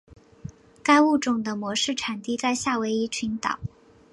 该物种的模式产地在夏威夷群岛。